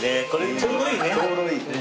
ちょうどいい。